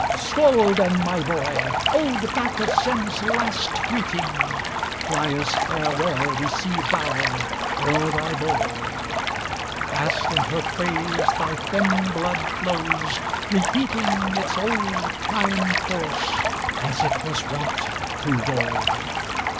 ..... Skål, then, my boy! Old Bacchus sends last greeting; Freya's farewell receive thou, o'er thy bowl. Fast in her praise thy thin blood flows, repeating Its old time force, as it was wont to roll.